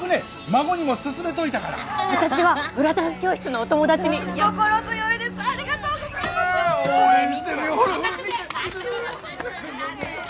孫にも薦めといたから私はフラダンス教室のお友達に心強いですありがとうございます・応援してるよ